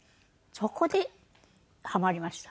そこでハマりました。